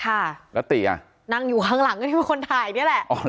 เราติอ่ะนางอยู่ข้างหลังที่เป็นคนถ่ายเนี่ยเลย